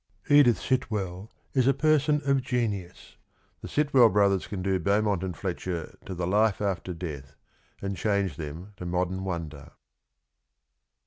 (Edith Sitwell is a) person of 94 genius. The Sitwell brothers can do Beaumont and Fletcher to the life after death, and change them to modern wonder.